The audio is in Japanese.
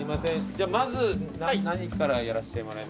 じゃあまず何からやらせてもらえますか？